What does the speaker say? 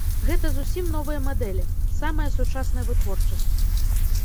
Гэта зусім новыя мадэлі, самая сучасная вытворчасць.